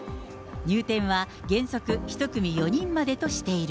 入店は原則１組４人までとしている。